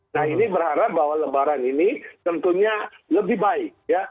nah ini berharap bahwa lebaran ini tentunya lebih baik ya